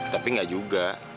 tapi gak juga